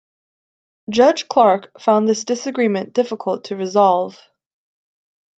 Judge Clark found this disagreement difficult to resolve.